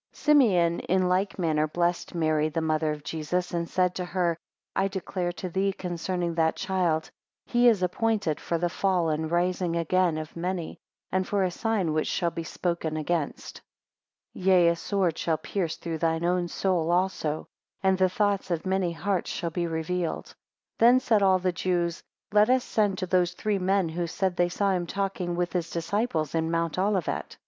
4 Simeon in like manner blessed Mary the Mother of Jesus, and said to her, I declare to thee concerning that child; He is appointed for the fall and rising again of many, and for a sign which shall be spoken against; 5 Yea, a sword shall pierce through thine own soul also, and the thoughts of many hearts shall be revealed. 6 Then said all the Jews, Let us send to those three men, who said they saw him talking with his disciples in mount Olivet.